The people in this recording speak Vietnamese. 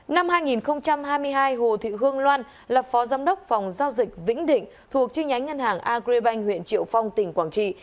năm hai nghìn hai mươi hai hồ thị hương loan là phó giám đốc phòng giao dịch vĩnh định thuộc chi nhánh ngân hàng agribank huyện triệu phong tỉnh quảng trị